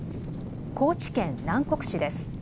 高知県南国市です。